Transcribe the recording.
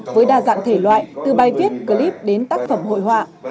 với đa dạng thể loại từ bài viết clip đến tác phẩm hội họa